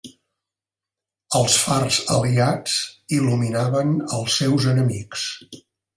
Els fars aliats il·luminaven als seus enemics.